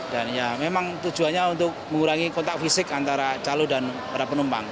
dan ya memang tujuannya untuk mengurangi kontak fisik antara calo dan para penumpang